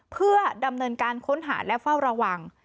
เพื่อดำเนินการค้นหาและเฝ้าระวัง